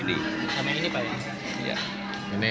ini satu sama ini